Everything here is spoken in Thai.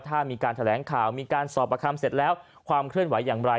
ถ้ามีการแถลงข่าวมีการสอบประคำเสร็จแล้วความเคลื่อนไหวอย่างไร